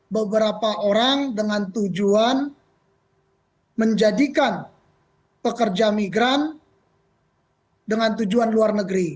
beberapa orang dengan tujuan menjadikan pekerja migran dengan tujuan luar negeri